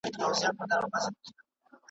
چا د خپل بلال ږغ نه دی اورېدلی .